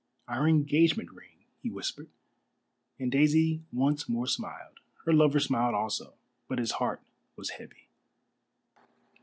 "Our engagement ring," he whispered, and Daisy once more smiled. Her lover smiled also. But his heart was heavy.